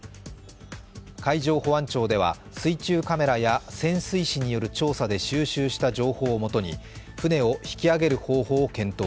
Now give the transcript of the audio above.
海上保安庁では水中カメラや潜水士による調査で収集した情報をもとに船を引き揚げる方法を検討。